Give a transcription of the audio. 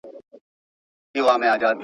متخصصين د نړيوالو تجربو څخه زده کړه کوي.